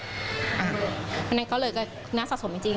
เพราะฉะนั้นก็เลยก็น่าสะสมจริง